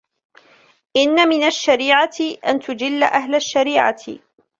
إنَّ مِنْ الشَّرِيعَةِ أَنْ تُجِلَّ أَهْلَ الشَّرِيعَةِ